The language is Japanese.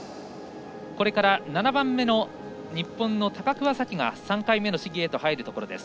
これから７番目日本の高桑早生が３回目の試技へと入るところです。